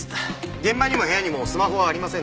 現場にも部屋にもスマホはありませんでした。